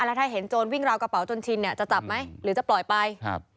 แล้วถ้าเห็นโจรวิ่งราวกระเป๋าจนชินเนี่ยจะจับไหมหรือจะปล่อยไปครับ